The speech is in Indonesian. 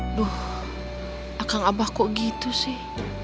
aduh akan abah kok gitu sih